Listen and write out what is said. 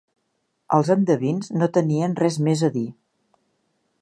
Els endevins no tenien res més a dir.